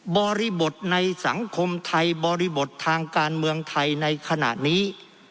บริบทในสังคมไทยบริบททางการเมืองไทยในขณะนี้